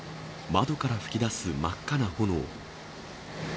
窓から噴き出す真っ赤な炎。